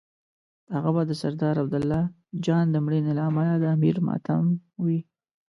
هغه به د سردار عبدالله جان د مړینې له امله د امیر ماتم وي.